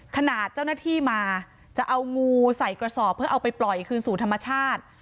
ขณะเจ้าหน้าที่มาจะเอางูใส่กระสอบเพื่อเอาไปปล่อยคืนสู่ธรรมชาติ